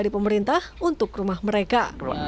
dari pemerintah untuk rumah mereka